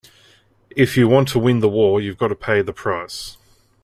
If you want to win the war, you've got to pay the price.